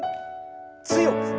強く。